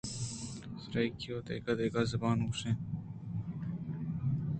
سرائیکی ءُ دگہ دگہ زبان ءَ گوش ایں۔